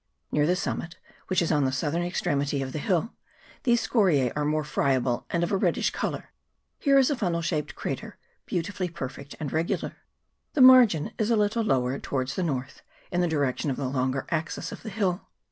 Near the summit, which is on the southern extremity of the hill, these scoriae are more friable and of a reddish colour. Here is a funnel shaped crater beautifully perfect and re gular. The margin is a little lower towards the north, in the direction of the longer axis of the hill.